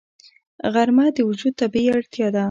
غرمه د وجود طبیعي اړتیا ده